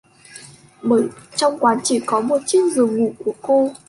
Bởi trong quán chỉ có một chiếc giường ngủ của cô